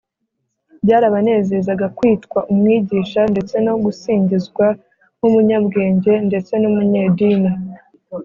byarabanezezaga kwitwa “umwigisha,” ndetse no gusingizwa nk’umunyabwenge ndetse n’umunyedini,